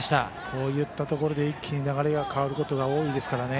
こういったところで一気に流れが変わるところ多いですからね。